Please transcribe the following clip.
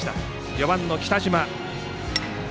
４番の北島。